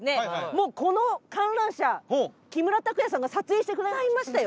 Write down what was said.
もうこの観覧車木村拓哉さんが撮影してくださいましたよ。